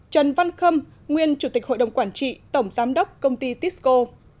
trần văn khâm nguyên chủ tịch hội đồng quản trị tổng giám đốc công ty tisco